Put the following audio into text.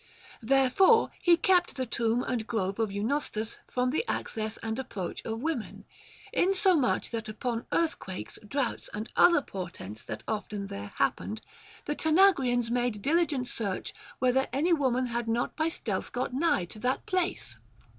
Therefore he kept the tomb and grove of Eunostus from the access and approach of women, inso much that upon earthquakes, droughts, and other portents that often there happened, the Tanagrians made diligent search whether any woman had not by stealth got nigh to that place.